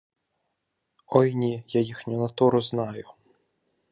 — Ой ні! Я їхню натуру знаю.